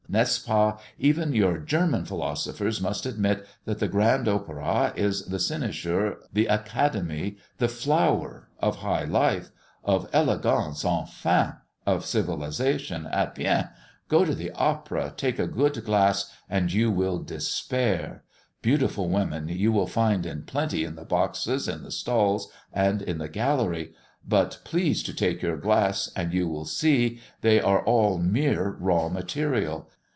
N'est ce pas, even your German philosophers must admit, that the Grand Opera is the cynosure, the academy, the flower of high life of elegance, enfin, of civilisation. Eh bien! go to the opera, take a good glass, and you will despair. Beautiful women, you will find in plenty in the boxes, in the stalls, and in the gallery. But please to take your glass, and you will see they are allmere raw material.